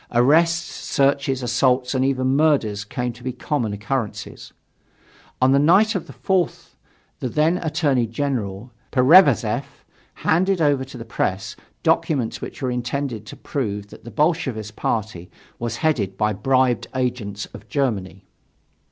Arrests, searches, assaults and even murders came to be common occurrences. On the night of the 4th the then Attorney General, Pereverzev, handed over to the press "documents" which were intended to prove that the Bolshevist party was headed by bribed agents of Germany.